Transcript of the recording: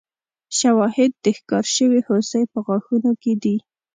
شواهد د ښکار شوې هوسۍ په غاښونو کې دي.